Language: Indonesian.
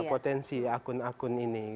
potensi akun akun ini